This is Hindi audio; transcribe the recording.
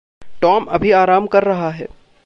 टॉम अभी आराम कर रहा है।